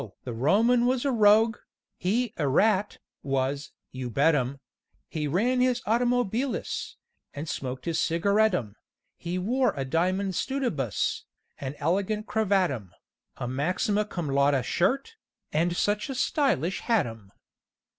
the Roman was a rogue, He erat, was, you bettum; He ran his automobilis And smoked his cigarettum; He wore a diamond studibus, An elegant cravattum, A maxima cum laude shirt, And such a stylish hattum!